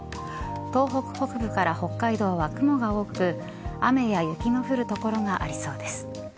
東北北部から北海道は雲が多く雨や雪の降る所がありそうです。